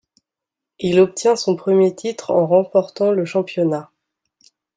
Il obtient son premier titre en remportant le championnat.